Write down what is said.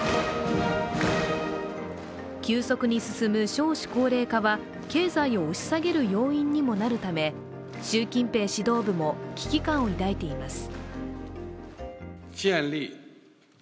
急速に進む、少子高齢化は、経済を押し下げる要因にもなるため習近平指導部も危機感を抱いています。